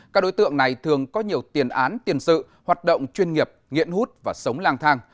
các đối tượng này thường có nhiều tiền án tiền sự hoạt động chuyên nghiệp nghiện hút và sống lang thang